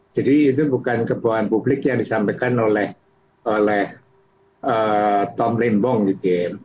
jadi itu bukan kebohan publik yang disampaikan oleh tom limbong gitu ya